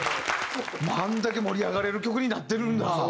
あんだけ盛り上がれる曲になってるんだ。